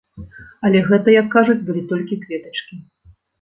Але гэта, як кажуць, былі толькі кветачкі.